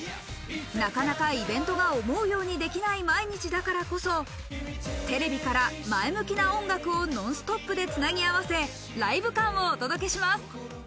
なかなかイベントが思うようにできない毎日だからこそテレビから前向きな音楽をノンストップでつなぎ合わせ、ライブ感をお届けします。